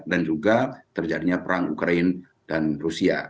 dan juga terjadinya perang ukraine dan rusia